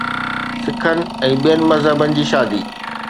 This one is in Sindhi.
سکن يا ٻين مذهبن جي شادي.